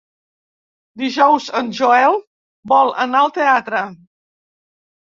Dijous en Joel vol anar al teatre.